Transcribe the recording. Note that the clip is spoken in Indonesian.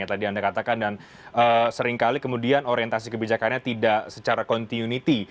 yang tadi anda katakan dan seringkali kemudian orientasi kebijakannya tidak secara continuity